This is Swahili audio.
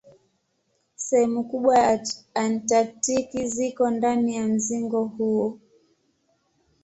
Sehemu kubwa ya Antaktiki ziko ndani ya mzingo huu.